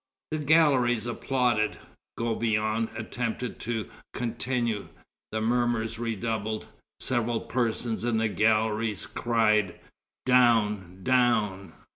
The galleries applauded. Gouvion attempted to continue. The murmurs redoubled. Several persons in the galleries cried: "Down! down!"